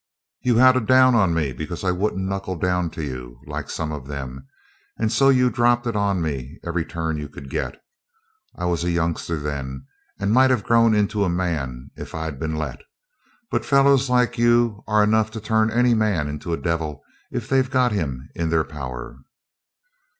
'You had a down on me because I wouldn't knuckle down to you like some of them, and so you dropped it on to me every turn you could get. I was a youngster then, and might have grown into a man if I'd been let. But fellows like you are enough to turn any man into a devil if they've got him in their power.'